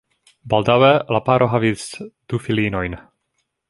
Baldaŭe la paro havis du filinojn.